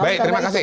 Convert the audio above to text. baik terima kasih